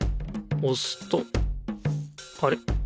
おすとあれ？